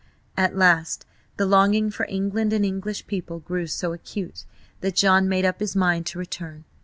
At last the longing for England and English people grew so acute that John made up his mind to return.